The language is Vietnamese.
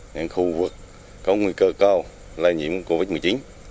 những khu vực có nguy cơ cao lây nhiễm covid một mươi chín